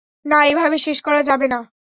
না, এভাবে শেষ করা যাবে না।